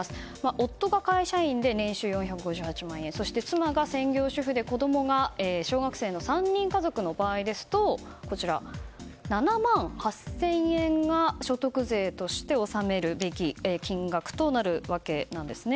夫が会社員で年収４５８万円そして妻が専業主婦で子供が小学生の３人家族の場合７万８０００円が所得税として納めるべき金額となるんですね。